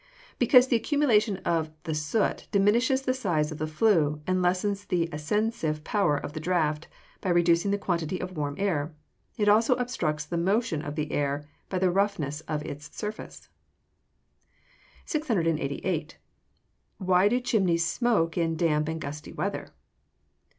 _ Because the accumulation of the soot diminishes the size of the flue, and lessens the ascensive power of the draught, by reducing the quantity of warm air. It also obstructs the motion of the air, by the roughness of its surface. 688. _Why do chimneys smoke in damp and gusty weather?